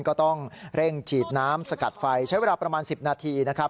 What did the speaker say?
ก็ต้องเร่งฉีดน้ำสกัดไฟใช้เวลาประมาณ๑๐นาทีนะครับ